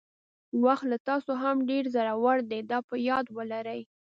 وخت له تاسو هم ډېر زړور دی دا په یاد ولرئ.